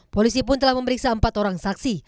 polisi pun telah memeriksa empat orang saksi